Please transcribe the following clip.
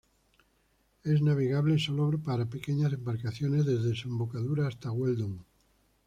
Es navegable sólo para pequeñas embarcaciones desde su embocadura hasta Weldon.